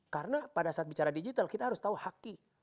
karena pada saat bicara digital kita harus tahu haki